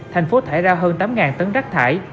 tp hcm thải ra hơn tám tấn rác thải